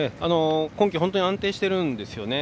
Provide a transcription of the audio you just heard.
今季、本当に安定しているんですよね。